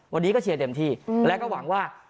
วันนี้ก็เชียร์เต็มที่แล้วก็หวังว่า